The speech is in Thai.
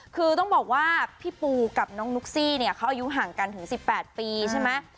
คือต้องบอกว่าพี่ปูกับน้องนุ๊กซี่เนี่ยเขาอายุห่างกันถึง๑๘ปีใช่ไหม